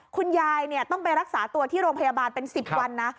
คุณยายต้องไปรักษาตัวที่โรงพยาบาลเป็น๑๐วันนะ